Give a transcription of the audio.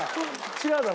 違うだろ？